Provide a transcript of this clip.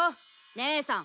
姉さん